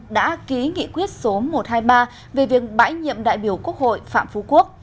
đã ký nghị quyết số một trăm hai mươi ba về việc bãi nhiệm đại biểu quốc hội phạm phú quốc